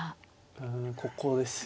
うんここですよね。